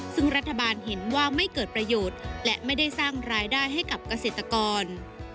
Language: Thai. ซึ่งรัฐบาลเห็นว่าไม่เกิดประโยชน์และไม่ได้สร้างรายได้ให้กับเกษตรกร